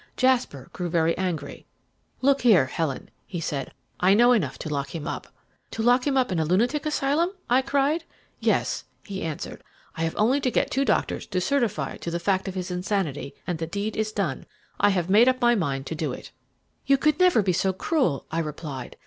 Jasper grew very angry. "'Look here, Helen,' he said, 'I know enough to lock him up.' "'To lock him up in a lunatic asylum?' I cried. "'Yes,' he answered. 'I have only to get two doctors to certify to the fact of his insanity, and the deed is done. I have made up my mind to do it.' "'You could never be so cruel,' I replied.